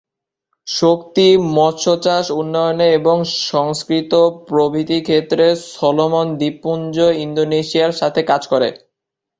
শক্তি, মৎস্য চাষ, উন্নয়নে এবং সংস্কৃত প্রভৃতি ক্ষেত্রে, সলোমন দ্বীপপুঞ্জ, ইন্দোনেশিয়ার সাথে কাজ করে।